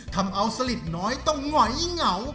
ทำเอาสลิดน้อยต้องหงอยเหงา